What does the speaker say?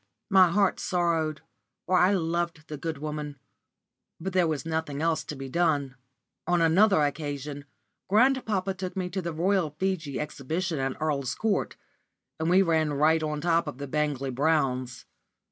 My heart sorrowed, for I loved the good woman; but there was nothing else to be done. On another occasion grandpapa took me to the Royal Figi Exhibition at Earl's Court, and we ran right on top of the Bangley Browns.